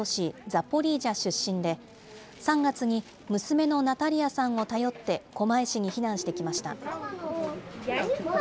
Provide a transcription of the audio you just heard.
ザポリージャ出身で、３月に娘のナタリアさんを頼って、狛江市に避難してきました。